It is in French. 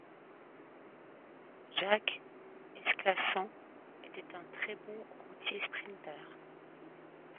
Jacques Esclassan était un très bon routier-sprinter.